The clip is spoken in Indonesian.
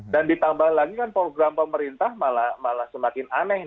dan ditambah lagi kan program pemerintah malah semakin aneh